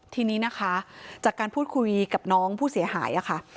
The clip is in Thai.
ทีนี้นะคะจากการพูดคุยกับน้องผู้เสียหายค่ะ